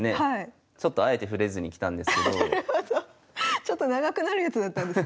ちょっと長くなるやつだったんですね。